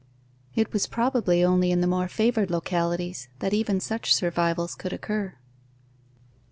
It was probably only in the more favored localities that even such survivals could occur.